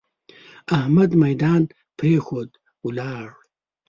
احمد ميدان پرېښود؛ ولاړ.